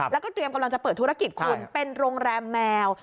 แล้วก็เตรียมกำลังจะเปิดธุรกิจคุณเป็นโรงแรมแมว